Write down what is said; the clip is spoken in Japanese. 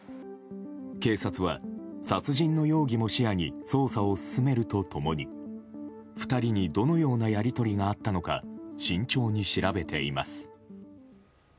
警察は殺人の容疑も視野に捜査を進めると共に２人にどのようなやり取りがあったのか慎重に調べています。